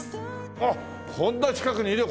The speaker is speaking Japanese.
あっこんな近くにいるよ